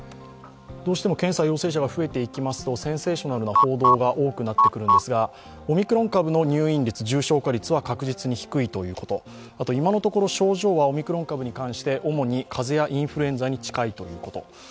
どうしても検査陽性者が増えていきますとセンセーショナルの報道が多くなってくるんですが、オミクロン株の入院率、重症化率は確実に低いということ、あと今のところ症状はオミクロン株に関して主に風邪やインフルエンザに近いということ。